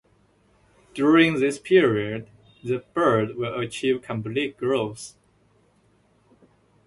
During this period the bird will achieve complete growth.